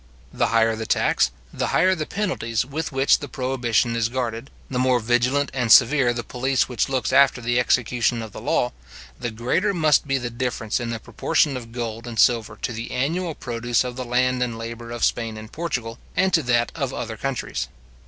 The higher the tax, the higher the penalties with which the prohibition is guarded, the more vigilant and severe the police which looks after the execution of the law, the greater must be the difference in the proportion of gold and silver to the annual produce of the land and labour of Spain and Portugal, and to that of other countries.